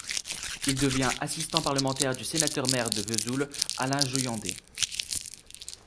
Il devient assistant parlementaire du sénateur-maire de Vesoul, Alain Joyandet.